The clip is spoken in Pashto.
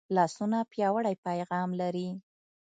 لاسونه پیاوړی پیغام لري